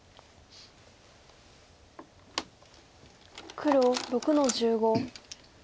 黒６の十五。